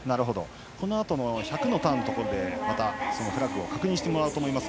このあとの１００のターンのところでフラッグを確認してもらおうと思います。